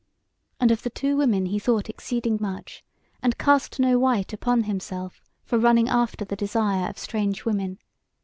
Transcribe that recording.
And of the two women he thought exceeding much, and cast no wyte upon himself for running after the desire of strange women.